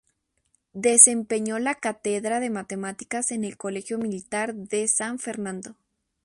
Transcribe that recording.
Desempeñó la Cátedra de Matemáticas en el Colegio Militar de San Fernando.